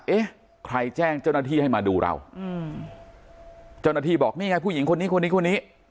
เอ๊ะใครแจ้งเจ้าหน้าที่ให้มาดูเราเจ้าหน้าที่บอกนี่ไงผู้หญิงคนนี้